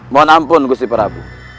mohon ampun gusiparabu